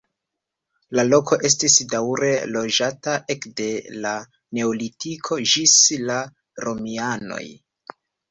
La loko estis daŭre loĝata ekde la neolitiko ĝis la romianoj.